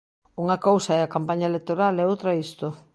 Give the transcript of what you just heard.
Unha cousa é a campaña electoral e outra isto.